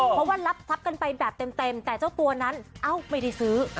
เพราะว่ารับทรัพย์กันไปแบบเต็มแต่เจ้าตัวนั้นเอ้าไม่ได้ซื้อ